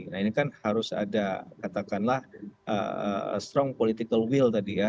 nah ini kan harus ada katakanlah strong political will tadi ya